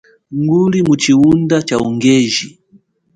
Nguli muchihunda cha ungeji.